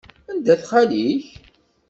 Anda-t xali-k?